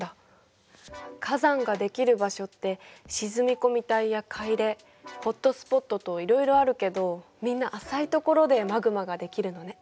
火山ができる場所って沈み込み帯や海嶺ホットスポットといろいろあるけどみんな浅いところでマグマができるのね。